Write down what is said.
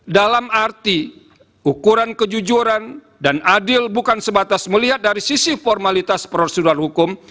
dalam arti ukuran kejujuran dan adil bukan sebatas melihat dari sisi formalitas prosedural hukum